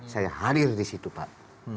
saya hadir disitu pak